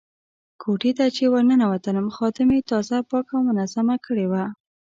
کوټې ته چې ورننوتلم خادمې تازه پاکه او منظمه کړې وه.